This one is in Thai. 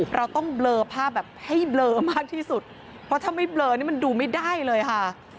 เราต้องเบลอภาพแบบให้เบลอมากที่สุดเพราะถ้าไม่เบลอนี่มันดูไม่ได้เลยค่ะ